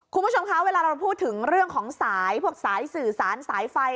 คุณผู้ชมคะเวลาเราพูดถึงเรื่องของสายพวกสายสื่อสารสายไฟ